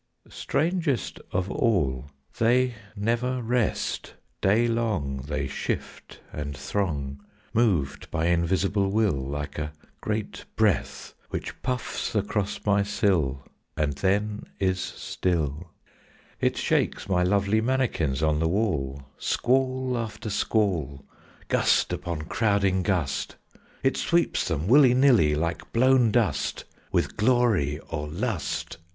Strangest of all, they never rest. Day long They shift and throng, Moved by invisible will, Like a great breath which puffs across my sill, And then is still; It shakes my lovely manikins on the wall; Squall after squall, Gust upon crowding gust, It sweeps them willy nilly like blown dust With glory or lust.